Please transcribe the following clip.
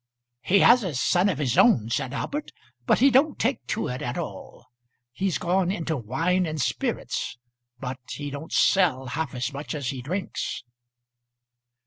"He has a son of his own," said Albert, "but he don't take to it at all. He's gone into wine and spirits; but he don't sell half as much as he drinks."